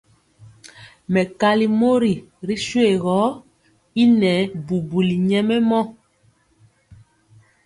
Mɛkali mori ri shuegɔ y nɛɛbubuli nyɛmemɔ.